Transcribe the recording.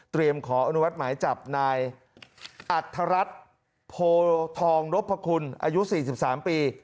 ขออนุมัติหมายจับนายอัธรัฐโพทองนพคุณอายุ๔๓ปี